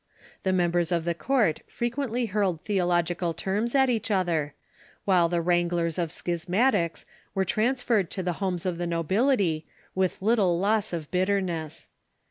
The members of the court frequently hurled theological terms at each other ; while the wrangles of schis matics were transferred to the homes of the nobility, Avith little loss of bitterness.